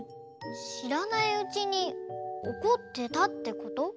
しらないうちにおこってたってこと？